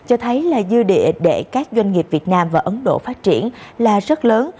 ưu địa để các doanh nghiệp việt nam và ấn độ phát triển là rất lớn